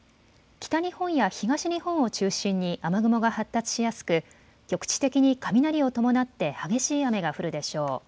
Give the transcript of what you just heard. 北日本や東日本を中心に雨雲が発達しやすく局地的に雷を伴って激しい雨が降るでしょう。